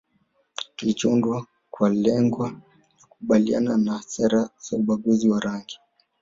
kilichoundwa kwa lengo la kukabiliana na sera za ubaguzi wa rangi